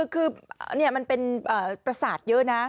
คือมันเป็นประสาทเยอะนะ